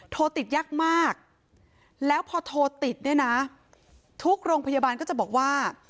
โทรติดยากมากแล้วพอโทรติดเนี่ยนะทุกโรงพยาบาลก็จะบอกว่า